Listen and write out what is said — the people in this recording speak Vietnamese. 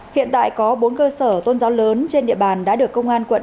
hiện tại có bốn cơ sở tôn giáo lớn trên địa bàn đã được công an quận